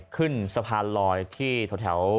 ขึ้นสะพานลอยที่แถว